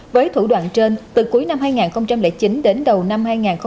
với thủ đoạn trên từ cuối năm hai nghìn chín đến đầu năm hai nghìn một mươi một